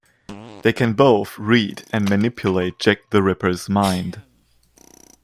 They can both read and manipulate Jack the Ripper's mind.